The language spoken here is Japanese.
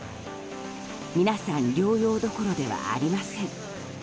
皆さん療養どころではありません。